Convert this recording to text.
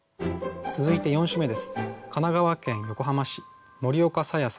続いて４首目です。